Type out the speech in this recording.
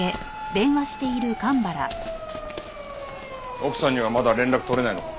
奥さんにはまだ連絡取れないのか？